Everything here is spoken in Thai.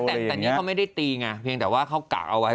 แต่นี่เขาไม่ได้ตีไงเพียงแต่ว่าเขากะเอาไว้